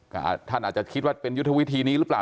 ก็ท่านอาจจะคิดว่าเป็นยุทธวิธีนี้หรือเปล่า